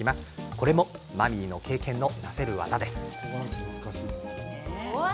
これもマミーの経験の成せる技。